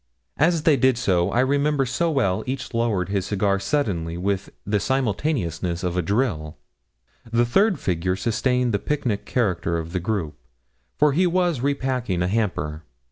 As they did so, I remember so well each lowered his cigar suddenly with the simultaneousness of a drill. The third figure sustained the picnic character of the group, for he was repacking a hamper.